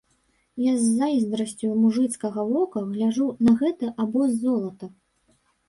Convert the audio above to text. Я з зайздрасцю мужыцкага вока гляджу на гэты абоз золата.